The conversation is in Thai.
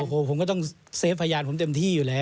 โอ้โหผมก็ต้องเซฟพยานผมเต็มที่อยู่แล้ว